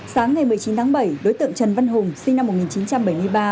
sáng ngày một mươi chín tháng bảy đối tượng trần văn hùng sinh năm một nghìn chín trăm bảy mươi ba